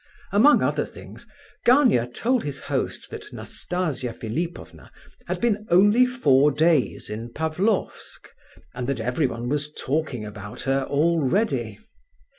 Among other things Gania told his host that Nastasia Philipovna had been only four days in Pavlofsk, and that everyone was talking about her already.